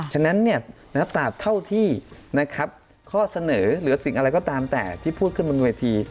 ฉะนั้นตราบเท่าที่นะครับข้อเสนอหรือสิ่งอะไรก็ตามแต่ที่พูดขึ้นบนเวที